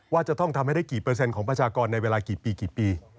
ว่าจะต้องทำให้ได้กี่เปอร์เซ็นของประชากรในเวลากี่ปีกี่ปี